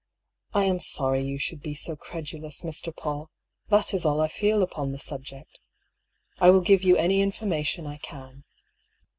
"I am sorry you should be so credulous, Mr. Paull; that is all I feel upon the subject. I will give you any information I can.